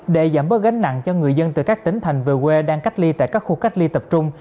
để giảm bớt gánh nặng cho người dân từ các tỉnh thành về quê đang cách ly tại các khu cách ly tập trung